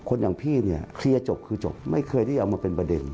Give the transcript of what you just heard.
อย่างพี่เนี่ยเคลียร์จบคือจบไม่เคยได้เอามาเป็นประเด็น